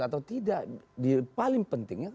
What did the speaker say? atau tidak paling pentingnya